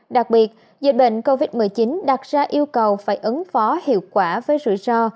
đặc biệt dịch bệnh covid một mươi chín đặt ra yêu cầu phải ứng phó hiệu quả với rủi ro